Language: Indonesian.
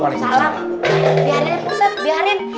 waalaikumsalam biarin pak ustadz biarin